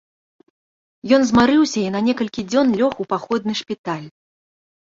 Ён змарыўся і на некалькі дзён лёг у паходны шпіталь.